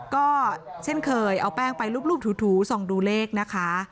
ก็เช่นเคยเอาแป้งไปรูปถูส่องดูเลขนะคะ